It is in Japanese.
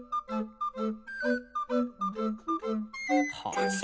完成。